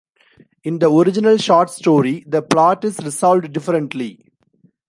In the original short story, the plot is resolved differently.